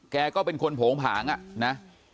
แกก็เป็นคนโผงผางอ่ะนะ